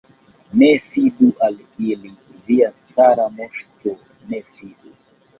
Ne fidu al ili, via cara moŝto, ne fidu!